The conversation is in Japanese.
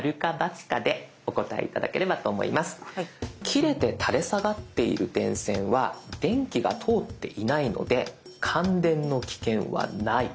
「切れて垂れ下がっている電線は電気が通っていないので感電の危険はない」。